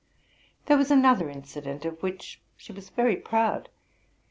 There was another incident of which she was very proud.